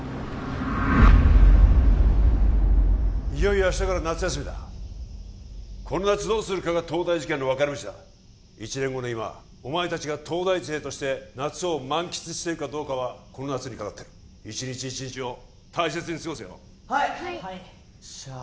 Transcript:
いよいよ明日から夏休みだこの夏どうするかが東大受験の分かれ道だ一年後の今お前達が東大生として夏を満喫しているかどうかはこの夏にかかってる一日一日を大切に過ごせよはいしゃー！